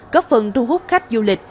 có phần thu hút khách du lịch